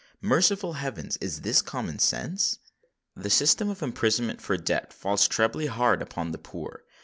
Merciful heavens! is this common sense? The system of imprisonment for debt falls trebly hard upon the poor.